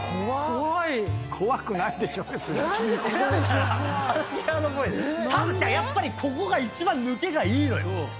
たぶんやっぱりここが一番抜けがいいのよ。